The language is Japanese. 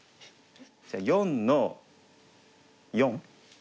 じゃあ４の四。